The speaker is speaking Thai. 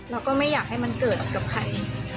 เราก็ไม่อยากให้มันเกิดกับใคร